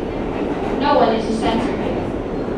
No one is a censor here.